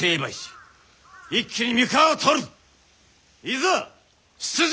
いざ出陣！